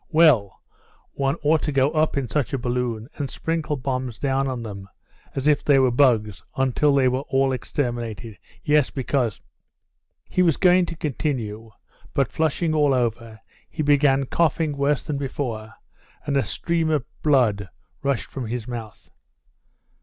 Well, one ought to go up in such a balloon and sprinkle bombs down on them as if they were bugs, until they are all exterminated Yes. Because " he was going to continue, but, flushing all over, he began coughing worse than before, and a stream of blood rushed from his mouth.